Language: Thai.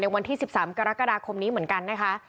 วันที่๑๓กรกฎาคมนี้เหมือนกันนะคะ